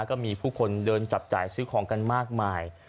ก็มีผู้คนเดินจับจ่ายซื้อของกันมากมาย